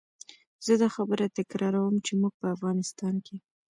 زه دا خبره تکراروم چې موږ په افغانستان کې.